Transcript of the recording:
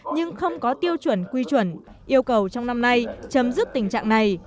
nhưng không có tiêu chuẩn quy chuẩn yêu cầu trong năm nay chấm dứt tình trạng này